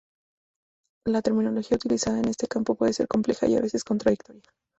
La terminología utilizada en este campo puede ser compleja y a veces contradictoria.